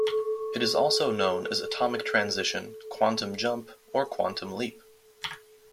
It is also known as atomic transition, quantum jump, or quantum leap.